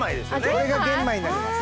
これが玄米になります。